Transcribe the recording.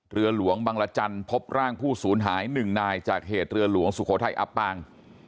เรือหลวงบังรจันทร์พบร่างผู้สูญหาย๑นายจากเหตุเรือหลวงสุโขทัยอับปาง